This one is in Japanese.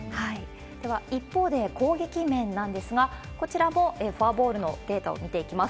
では、一方で攻撃面なんですが、こちらもフォアボールのデータを見ていきます。